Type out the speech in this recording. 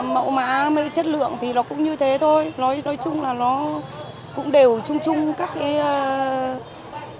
mẫu mã mấy chất lượng thì nó cũng như thế thôi nói chung là nó cũng đều chung chung các cái